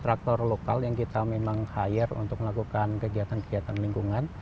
ada juga kontraktor lokal yang kita memang hire untuk melakukan kegiatan kegiatan lingkungan